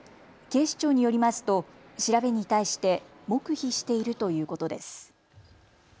警視庁によりますと調べに対して黙秘しているということです。